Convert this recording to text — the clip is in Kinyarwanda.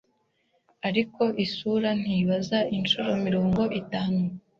Ariko isura ntizaba inshuro mirongo itanu